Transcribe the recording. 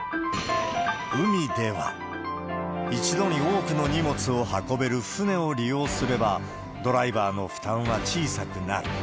海では、一度に多くの荷物を運べる船を利用すれば、ドライバーの負担は小さくなる。